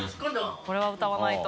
これは歌わないと。